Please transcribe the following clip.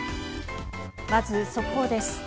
まず、速報です。